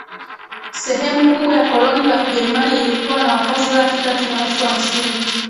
sehemu kubwa ya koloni la Kijerumani ilikuwa na wakazi laki tatu na elfu hamsini